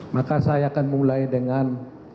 maka saya akan mulai dengan